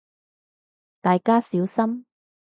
大家小心